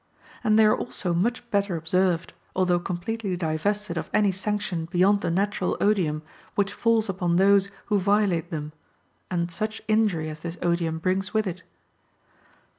And they are also much better observed, although completely divested of any sanction beyond the natural odium which falls upon those who violate them, and such injury as this odium brings with it.